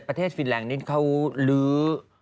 แต่ประเทศฟินแหล่งนี้เขาลื้อ